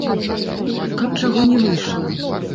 Каб чаго не выйшла.